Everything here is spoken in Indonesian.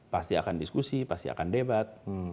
pasti akan diskusi pasti akan debat